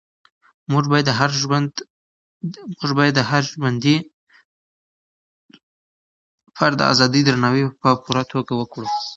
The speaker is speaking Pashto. موږ باید د هر ژوندي سري د فردي ازادۍ درناوی په پوره توګه وکړو.